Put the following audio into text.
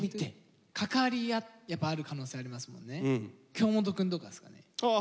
京本くんとかですかね？